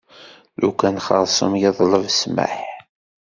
Lukan xersum yeḍleb ssmaḥ.